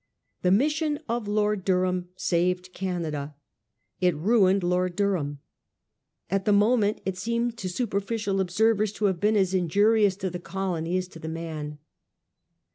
The mission of Lord Durham saved Canada. It ruined Lord Durham. At the moment it seemed to superficial observers to have been as injurious to the colony as to the man.